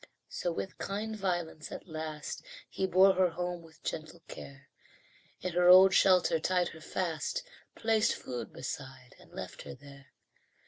So with kind violence at last He bore her home with gentle care; In her old shelter tied her fast, Placed food beside and left her there.